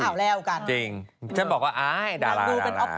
อ้าวแล้วกันจริงฉันบอกว่าอ๊ายดารา